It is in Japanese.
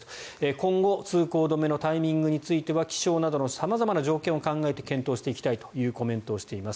今後通行止めのタイミングについては気象などの様々な条件を考えて検討していきたいというコメントをしています。